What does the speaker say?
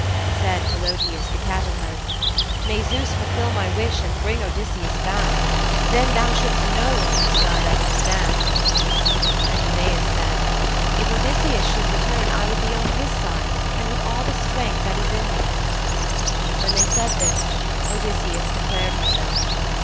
Said Philœtius the cattleherd, 'May Zeus fulfil my wish and bring Odysseus back! Then thou shouldst know on whose side I would stand.' And Eumæus said, 'If Odysseus should return I would be on his side, and that with all the strength that is in me.' When they said this, Odysseus declared himself.